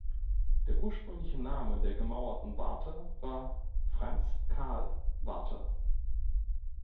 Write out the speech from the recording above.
Der ursprüngliche Name der gemauerten Warte war "Franz Karl-Warte".